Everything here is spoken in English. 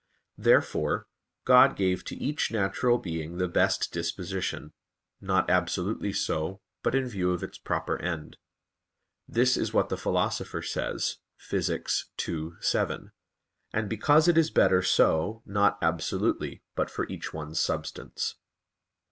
Therefore God gave to each natural being the best disposition; not absolutely so, but in the view of its proper end. This is what the Philosopher says (Phys. ii, 7): "And because it is better so, not absolutely, but for each one's substance."